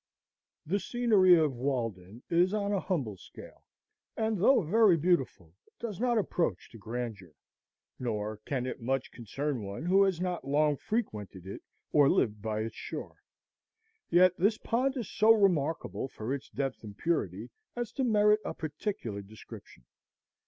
The scenery of Walden is on a humble scale, and, though very beautiful, does not approach to grandeur, nor can it much concern one who has not long frequented it or lived by its shore; yet this pond is so remarkable for its depth and purity as to merit a particular description.